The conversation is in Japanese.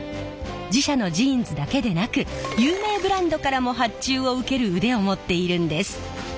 自社のジーンズだけでなく有名ブランドからも発注を受ける腕を持っているんです。